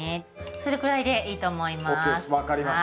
それくらいでいいと思います。